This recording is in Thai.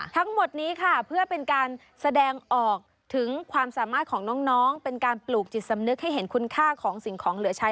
ทั้งหมดนี้ค่ะเพื่อเป็นการแสดงออกถึงความสามารถของน้องเป็นการปลูกจิตสำนึกให้เห็นคุณค่าของสิ่งของเหลือใช้